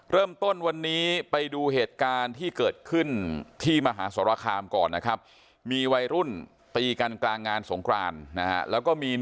เริ่มต้นวันนี้ไปดูเหตุการณ์ที่เกิดขึ้นที่มหาศราคามก่อนนะครับ